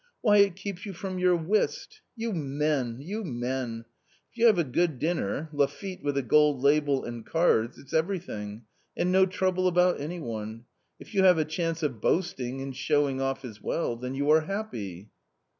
Why, it keeps you from your whist ! You men, you men h If you have a good dinner, Lafitte with a gold label and cards, it's everything ; and no trouble about any one ! If you have a chance of boasting and showing off as well, then you are happy